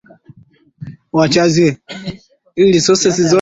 Alipendwa na wengi na pia alikuwa na maadui hasa kutoka mataifa ya Magharibi ambao